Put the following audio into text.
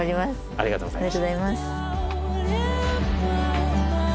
ありがとうございます。